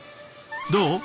どう？